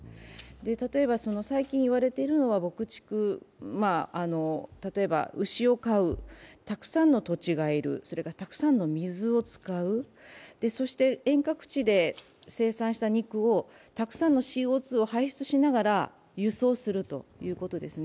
例えば最近言われているのは牧畜、例えば牛を飼う、たくさんの土地が要る、たくさんの水を使う、そして遠隔地で生産した肉をたくさんのＣＯ２を排出しながら輸送するということですね。